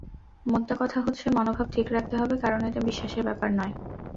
মোদ্দা কথা হচ্ছে, মনোভাব ঠিক রাখতে হবে, কারণ এটা বিশ্বাসের ব্যাপার নয়।